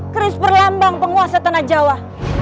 keris perlambang penguasa tanah jawa